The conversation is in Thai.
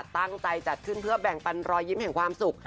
ตั้งใจจัดขึ้นเพื่อแบ่งปันรอยยิ้มแห่งความสุข